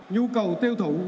nhu cầu tiêu thụ